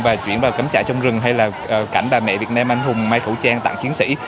và chuyển vào cấm trại trong rừng hay là cảnh bà mẹ việt nam anh hùng may khẩu trang tặng chiến sĩ